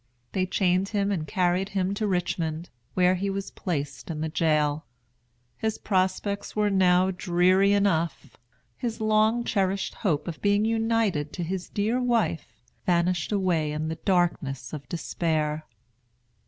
They chained him and carried him to Richmond, where he was placed in the jail. His prospects were now dreary enough. His long cherished hope of being reunited to his dear wife vanished away in the darkness of despair.